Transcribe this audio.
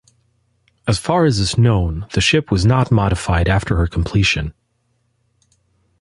As far as is known the ship was not modified after her completion.